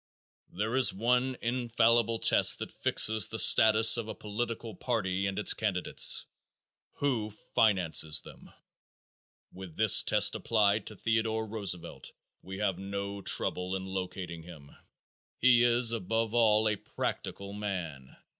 _ There is one infallible test that fixes the status of a political party and its candidates. Who finances them? With this test applied to Theodore Roosevelt we have no trouble in locating him. He is above all "a practical man."